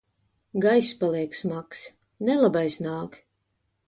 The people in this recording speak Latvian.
Gaiss paliek smags. Nelabais nāk!